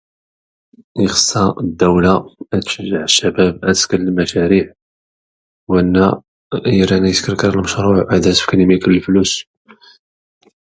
Ikhssa dawla atcheje3 chabab adskern lmachari3 wana iran aysker kran lmechrou3 adasfkn imik nflouss